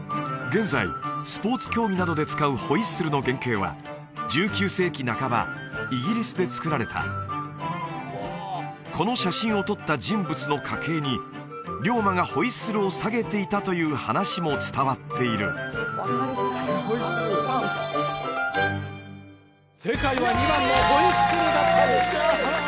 現在スポーツ競技などで使うホイッスルの原型は１９世紀半ばイギリスで作られたこの写真を撮った人物の家系に龍馬がホイッスルを下げていたという話も伝わっている正解は２番の「ホイッスル」だったんです